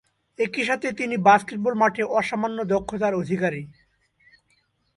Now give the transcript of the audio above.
একই সাথে তিনি বাস্কেটবল মাঠে অসামান্য দক্ষতার অধিকারী।